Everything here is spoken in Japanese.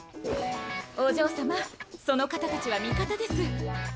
お嬢様その方たちは味方です。